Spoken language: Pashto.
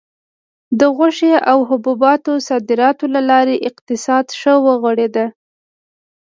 د غوښې او حبوباتو صادراتو له لارې اقتصاد ښه وغوړېد.